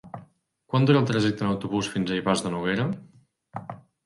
Quant dura el trajecte en autobús fins a Ivars de Noguera?